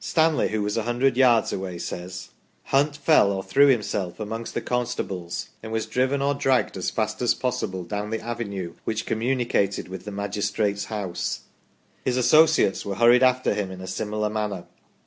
Stanley, who was a hundred yards away, says :" Hunt fell, or threw himself, amongst the constables, and was driven or dragged as fast as possible down the avenue which communicated with the magistrates' house ; his associates were hurried after him in a similar manner.